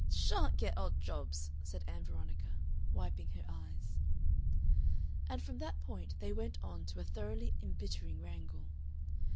"Sha'n't get odd jobs," said Ann Veronica, wiping her eyes. And from that point they went on to a thoroughly embittering wrangle.